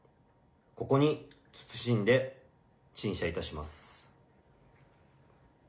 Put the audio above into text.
ここに謹んで陳謝いたします。